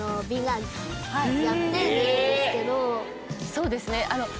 そうですね。